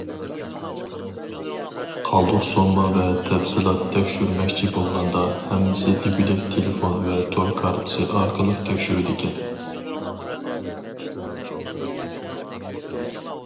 قالدۇق سومما ۋە تەپسىلات تەكشۈرمەكچى بولغاندا، ھەممىسى دېگۈدەك تېلېفون ۋە تور كارتىسى ئارقىلىق تەكشۈرىدىكەن.